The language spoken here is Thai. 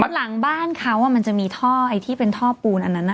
หลังบ้านเค้าอ่ะเหมือนจะมีท่อไอ้ที่เป็นท่อปูนอันนั้นนะ